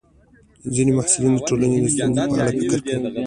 ځینې محصلین د ټولنې د ستونزو په اړه فکر کوي.